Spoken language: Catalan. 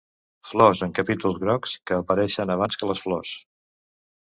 Flors en capítols grocs, que apareixen abans que les flors.